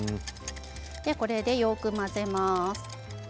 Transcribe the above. これでよく混ぜます。